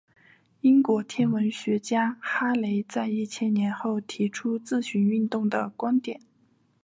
英国天文学家哈雷在一千年后提出自行运动的观点。